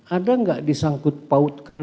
ada enggak disangkut pautkan